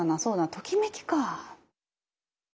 ときめきかぁ。